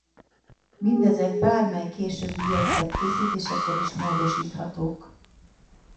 Mindezek bármely későbbi jegyzet készítésekor is módosíthatók.